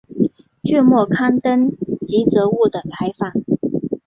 卷末刊登吉泽务的采访。